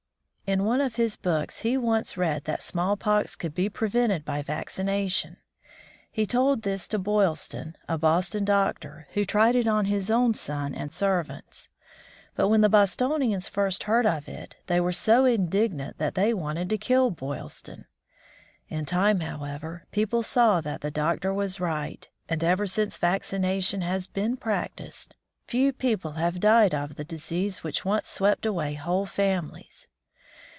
In one of his books he once read that smallpox could be prevented by vaccination. He told this to Boylston, a Boston doctor, who tried it on his own son and servants. But when the Bos to´ni ans first heard of it, they were so indignant that they wanted to kill Boylston. In time, however, people saw that the doctor was right, and ever since vaccination has been practiced, few people have died of the disease which once swept away whole families.